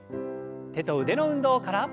手と腕の運動から。